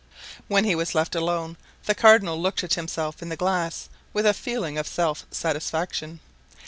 When he was left alone the cardinal looked at himself in the glass with a feeling of self satisfaction.